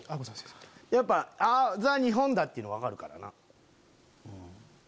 やっぱザ日本だ！って分かるからな。